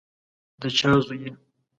د چا زوی یې؟